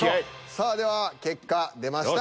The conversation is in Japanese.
さあでは結果出ました。